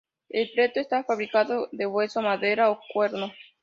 El plectro está fabricado de hueso, madera o cuerno.